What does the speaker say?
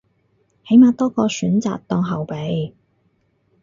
起碼多個選擇當後備